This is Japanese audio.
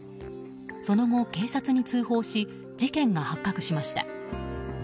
その後、警察に通報し事件が発覚しました。